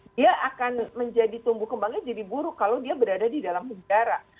dia akan menjadi tumbuh kembangnya jadi buruk kalau dia berada di dalam penjara